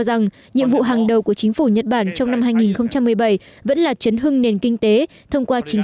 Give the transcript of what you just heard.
rằng nhiệm vụ hàng đầu của chính phủ nhật bản trong năm hai nghìn một mươi bảy vẫn là chấn hưng nền kinh tế thông qua chính